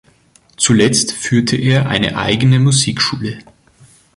Zuletzt führte er eine eigene Musikschule.